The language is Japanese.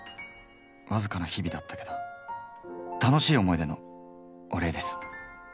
わずかな日々だったけど楽しい思い出のお礼です。